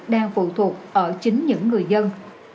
đang phụ thuộc ở chính những người dân